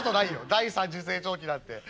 第３次成長期なんて」。